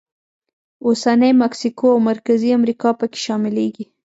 اوسنۍ مکسیکو او مرکزي امریکا پکې شاملېږي.